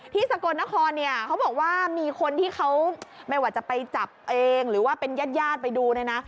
ที่สกลนครเขาบอกว่ามีคนที่เขาไม่ว่าจะไปจับเองหรือว่าเป็นญาติไปดูนะ